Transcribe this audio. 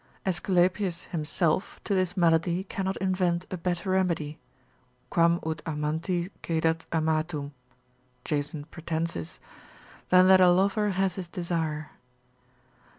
Aesculapius himself, to this malady, cannot invent a better remedy, quam ut amanti cedat amatum, (Jason Pratensis) than that a lover have his desire.